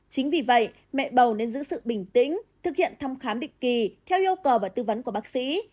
chính vì vậy mẹ bầu nên giữ sự bình tĩnh thực hiện thăm khám định kỳ theo yêu cầu và tư vấn của bác sĩ